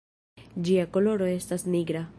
Ĝia koloro estas nigra.